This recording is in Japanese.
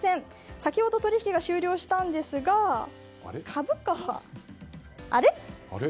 先ほど取引が終了したんですが株価はあれ？